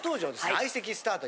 相席スタート